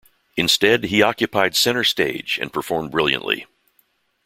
Instead, he occupied centre-stage and performed brilliantly.